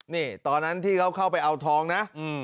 นี่ตอนนั้นที่เขาเข้าไปเอาทองนะ